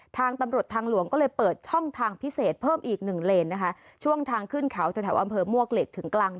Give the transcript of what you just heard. ทางตำรวจทางหลวงก็เลยเปิดช่องทางพิเศษเพิ่มอีกหนึ่งเลนนะคะช่วงทางขึ้นเขาแถวอำเภอมวกเหล็กถึงกลาง